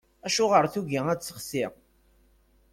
Acuɣer tugi ad texsi?